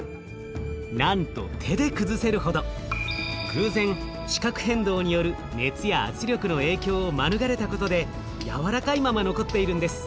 偶然地殻変動による熱や圧力の影響を免れたことでやわらかいまま残っているんです。